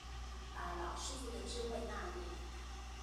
把老師傅的智慧納入